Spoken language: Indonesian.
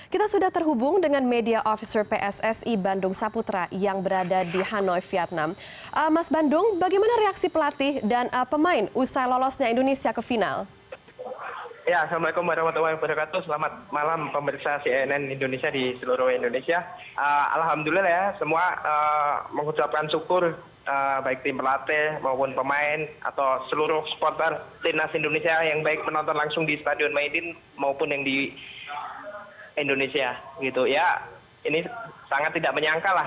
karena kan pertandingan juga dekat tanggal empat belas